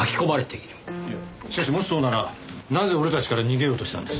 いやしかしもしそうならなぜ俺たちから逃げようとしたんです？